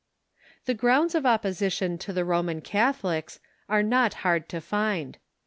The grounds of opposition to the Roman Catholics are not hai'd to find.